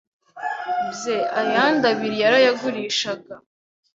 bye ayandi abiri yarayagurukishaga